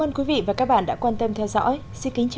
ơn quý vị và các bạn đã quan tâm theo dõi xin kính chào và hẹn gặp lại